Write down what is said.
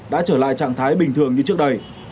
đã trở lại trạng thái bình thường như trước đây